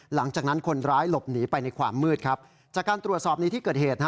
หลังจากนั้นคนร้ายหลบหนีไปในความมืดครับจากการตรวจสอบในที่เกิดเหตุ